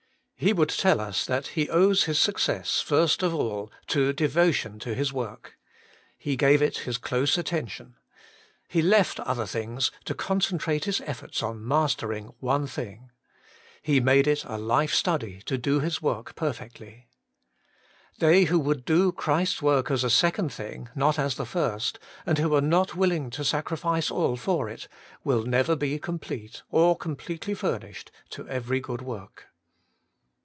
He would tell us that he owes his success, first of all, to devotion to his work. He gave it his close attention. He left other things to concentrate his efforts on mastering one thing. He made it a life study to do his work perfectly. They who would do Christ's work as a second thing, not as the first, and who are not willing to sacrifice all for it, will never be complete or completely furnished to every good work.